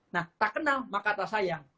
nah tak kenal maka tak sayang